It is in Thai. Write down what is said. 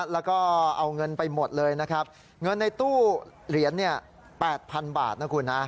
แล้วก็เอาเงินไปหมดเลยนะครับเงินในตู้เหรียญ๘๐๐๐บาทนะคุณนะ